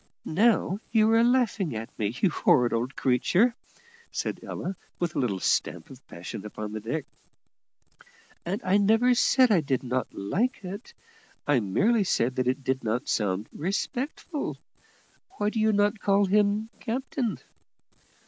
"Now you are laughing at me, you horrid old creature," said Ella, with a little stamp of passion upon the deck; "and I never said I did not like it; I merely said that it did not sound respectful. Why do you not call him captain?"